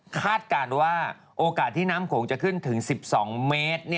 คาดการณ์ว่าโอกาสที่น้ำโขงจะขึ้นถึง๑๒เมตร